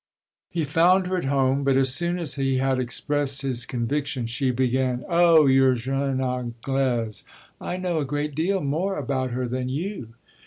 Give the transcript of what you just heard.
He found her at home, but as soon as he had expressed his conviction she began: "Oh, your jeune Anglaise, I know a great deal more about her than you!